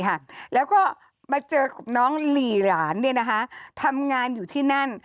แล้วก็มาเจอกับน้องหลีหลานเนี่ยนะคะทำงานอยู่ที่นั่น